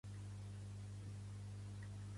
El mussol no pot cantar si no són dotze.